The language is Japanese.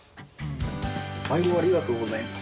まいどありがとうございます。